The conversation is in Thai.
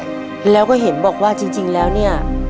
แล้วก็เห็นบอกว่าจริงแล้วเนี่ย